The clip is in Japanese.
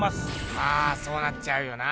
まあそうなっちゃうよな。